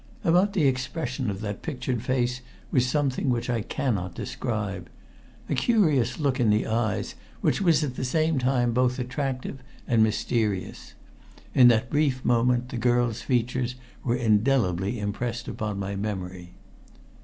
About the expression of that pictured face was something which I cannot describe a curious look in the eyes which was at the same time both attractive and mysterious. In that brief moment the girl's features were indelibly impressed upon my memory.